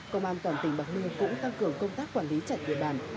công an toàn tình bạc lưu cũng tăng cường công tác quản lý trật địa bàn